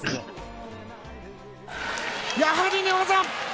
やはり寝技！